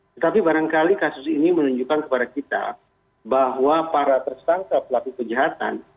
tetapi barangkali kasus ini menunjukkan kepada kita bahwa para tersangka pelaku kejahatan